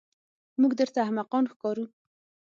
موږ درته احمقان ښکارو.